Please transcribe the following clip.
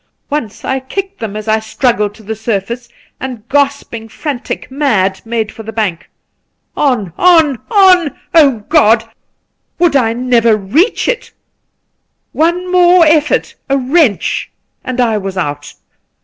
Once I kicked them as I struggled to the surface, and gasping, frantic, mad, made for the bank. On, on, on ! God ! would I never reach it 1 One more eflfort, a wrench, and I was Out.